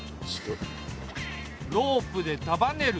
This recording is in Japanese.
ロープで束ねる。